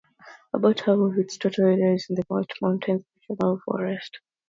About half of its total area is in the White Mountain National Forest.